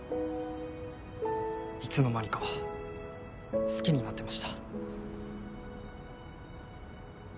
いつの間にか好きになってました。